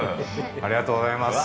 ありがとうございます。